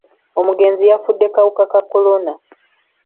Omugenzi yafudde kawuka ka kolona.